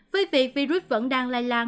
với việc virus vẫn đang lai lạc